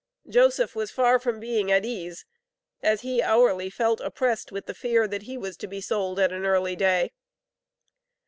Joseph was far from being at ease, as he hourly felt oppressed with the fear that he was to be sold at an early day.